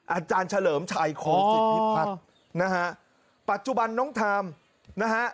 อาจารย์เฉลิมชัยคงสิทธิพัฒน์นะฮะปัจจุบันน้องทามนะฮะ